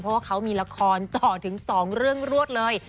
เพราะว่าเขามีละครเจาะถึง๒เรื่องรวดเลย